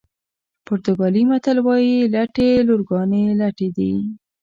پرتګالي متل وایي لټې لورګانې لټه دي.